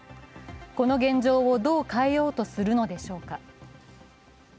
この現状をどう変えようとするのでしょうか。